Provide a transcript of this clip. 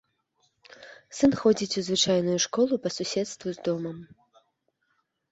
Сын ходзіць у звычайную школу па суседству з домам.